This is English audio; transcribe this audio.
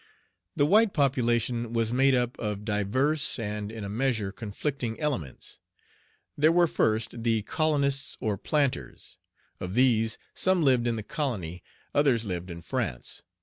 The white population was made up of diverse, and in a measure conflicting elements. There were first, the colonists or planters. Of these, some lived in the colony, others lived in France.